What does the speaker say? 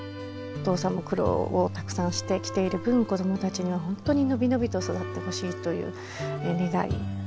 お父さんも苦労をたくさんしてきている分子供たちには本当に伸び伸びと育ってほしいという願い。